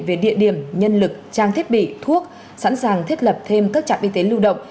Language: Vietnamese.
về địa điểm nhân lực trang thiết bị thuốc sẵn sàng thiết lập thêm các trạm y tế lưu động